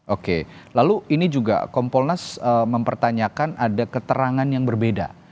oke lalu ini juga kompolnas mempertanyakan ada keterangan yang berbeda